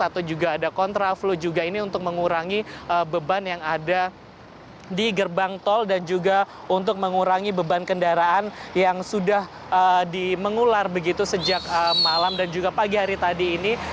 atau juga ada kontra flu juga ini untuk mengurangi beban yang ada di gerbang tol dan juga untuk mengurangi beban kendaraan yang sudah mengular begitu sejak malam dan juga pagi hari tadi ini